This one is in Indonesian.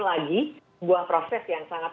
lagi sebuah proses yang sangat